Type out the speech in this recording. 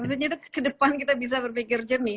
maksudnya itu ke depan kita bisa berpikir jernih